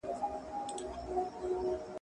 دا هغه خبره وه چې چا نه وه کړې.